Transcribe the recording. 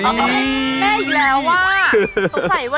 แม่อีกแล้วว่าสงสัยวันนี้แม่จะใช่แล้วล่ะ